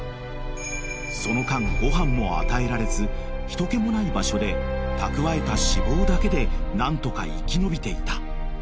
［その間ご飯も与えられず人けもない場所で蓄えた脂肪だけで何とか生き延びていた］